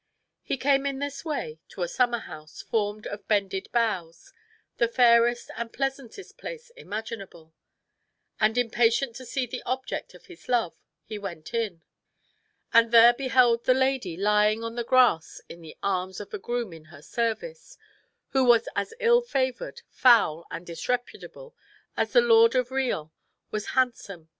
He came in this way to a summer house formed of bended boughs, the fairest and pleasantest place imaginable, (2) and impatient to see the object of his love, he went in; and there beheld the lady lying on the grass in the arms of a groom in her service, who was as ill favoured, foul and disreputable as the Lord of Riant was handsome, virtuous and gentle.